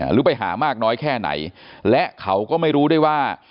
หรือไปหามากน้อยแค่ไหนและเขาก็ไม่รู้ได้ว่า